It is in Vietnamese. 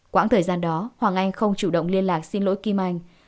quãng thời gian đó hoàng anh không chủ động liên lạc xin lỗi kim anh